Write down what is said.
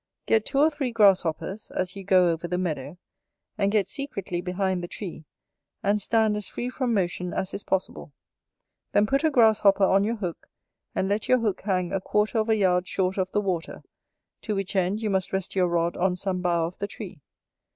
Get two or three grasshoppers, as you go over the meadow: and get secretly behind the tree, and stand as free from motion as is possible. Then put a grasshopper on your hook, and let your hook hang a quarter of a yard short of the water, to which end you must rest your rod on some bough of the tree.